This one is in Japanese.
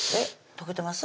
溶けてます？